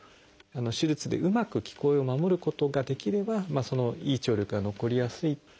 手術でうまく聞こえを守ることができればいい聴力が残りやすいと。